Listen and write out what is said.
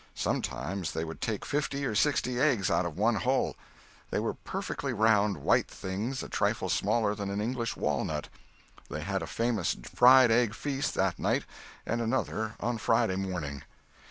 Sometimes they would take fifty or sixty eggs out of one hole. They were perfectly round white things a trifle smaller than an English walnut. They had a famous fried egg feast that night, and another on Friday morning.